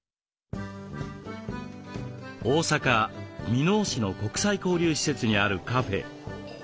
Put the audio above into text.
大阪・箕面市の国際交流施設にあるカフェ。